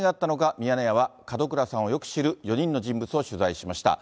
ミヤネ屋は門倉さんをよく知る４人の人物を取材しました。